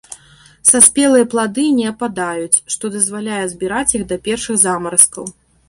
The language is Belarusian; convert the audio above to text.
Саспелыя плады не ападаюць, што дазваляе збіраць іх да першых замаразкаў.